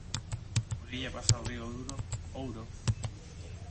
Por ella pasa el río Ouro.